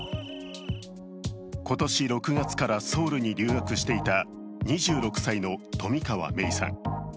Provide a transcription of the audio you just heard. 今年６月からソウルに留学していた２６歳の冨川芽生さん。